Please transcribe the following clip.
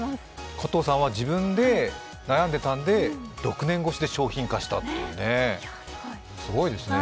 加藤さんは自分で悩んでいたので６年越しで商品化したというね、すごいですね。